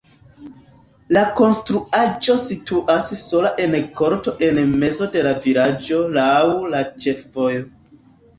La konstruaĵo situas sola en korto en mezo de la vilaĝo laŭ la ĉefvojo.